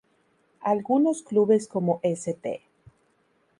Algunos clubes como St.